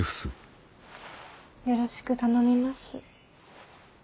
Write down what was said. よろしく頼みます。